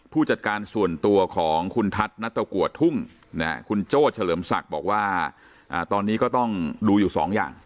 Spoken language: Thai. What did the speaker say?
ผู้จัดการส่วนตัวของคุณทัศน์นัตรกัวทุ่งคุณโจ้เฉลิมศักดิ์บอกว่าตอนนี้ก็ต้องดูอยู่สองอย่าง